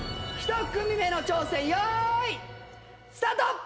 １組目の挑戦よーいスタート！